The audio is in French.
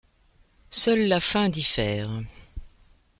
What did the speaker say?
Seule la fin diffère.